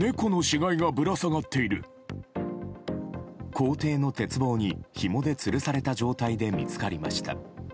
校庭の鉄棒にひもでつるされた状態で見つかりました。